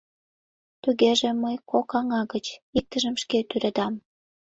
Тугеже мый кок аҥа гыч иктыжым шке тӱредам.